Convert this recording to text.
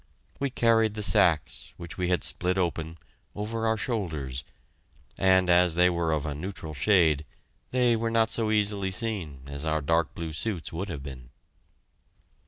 We carried the sacks, which we had split open, over our shoulders, and as they were of a neutral shade, they were not so easily seen as our dark blue suits would have been.